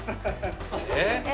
えっ。